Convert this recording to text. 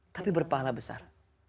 tapi berpahala besar